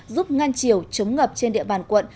giúp ngăn chiều chống ngập trên địa bàn quận